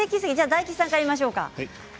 大吉さんから見ましょうか？